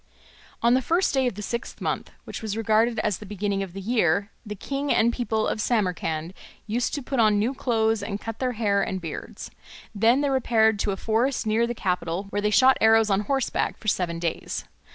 On the first day of the sixth month, which was regarded as the beginning of the year, the king and people of Samarcand used to put on new clothes and cut their hair and beards. Then they repaired to a forest near the capital where they shot arrows on horseback for seven days.